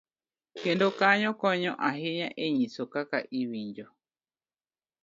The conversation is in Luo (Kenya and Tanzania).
kendo, kanyo konyo ahinya e nyiso kaka iwinjo